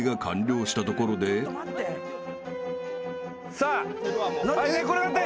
さあはい寝っ転がって。